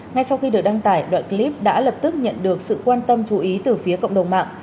ngay sau khi được đăng tải đoạn clip đã lập tức nhận được sự quan tâm chú ý từ phía cộng đồng mạng